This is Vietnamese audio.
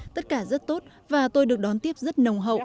tất cả rất tốt và tôi được đón tiếp rất nồng hậu